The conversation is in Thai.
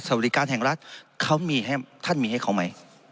สวริการแห่งรัฐท่านมีให้เขาไหม